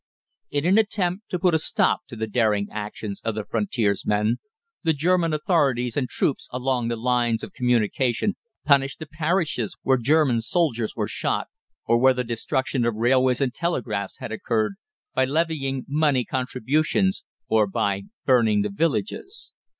In an attempt to put a stop to the daring actions of the "Frontiersmen," the German authorities and troops along the lines of communication punished the parishes where German soldiers were shot, or where the destruction of railways and telegraphs had occurred, by levying money contributions, or by burning the villages.